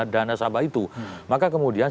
dana sabah itu maka kemudian